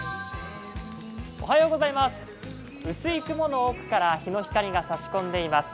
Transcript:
薄いの奥から日の光が差し込んでいます。